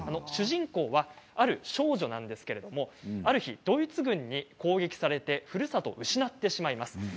主人公はある少女なんですけどもある日ドイツ軍に攻撃されてふるさとを失ってしまいます。